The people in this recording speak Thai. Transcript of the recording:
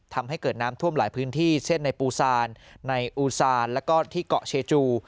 ทำให้เกิดน้ำท่วมหลายพื้นที่เช่นในปูซานในอูซานแล้วก็ที่เกาะเชจู